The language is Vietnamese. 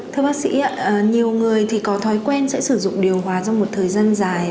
thưa bác sĩ nhiều người có thói quen sẽ sử dụng điều hòa trong một thời gian dài